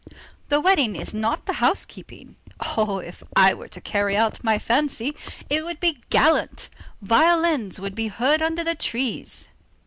The wedding is not the housekeeping. Oh! if I were to carry out my fancy, it would be gallant, violins would be heard under the trees.